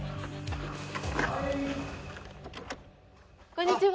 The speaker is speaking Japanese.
こんにちは。